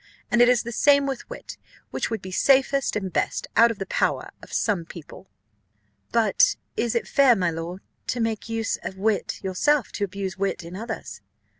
And it is the same with wit, which would be safest and best out of the power of some people." "But is it fair, my lord, to make use of wit yourself to abuse wit in others?"